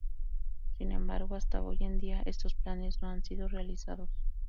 Sin embargo, hasta hoy en día, estos planes no han sido realizados.